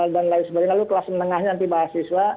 dan lain sebagainya lalu kelas menengahnya nanti mahasiswa